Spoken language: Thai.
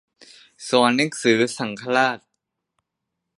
สอนหนังสือสังฆราช